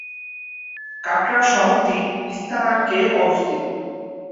কাটরা শহরটি স্থানাঙ্কে অবস্থিত।